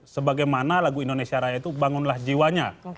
sebagaimana lagu indonesia raya itu bangunlah jiwanya